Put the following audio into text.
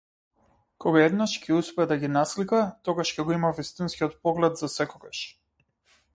Кога еднаш ќе успее да ги наслика, тогаш ќе го има вистинскиот поглед засекогаш.